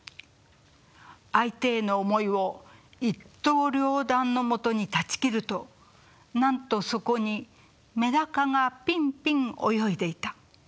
相手への思いを一刀両断のもとに断ち切るとなんとそこにメダカがぴんぴん泳いでいた。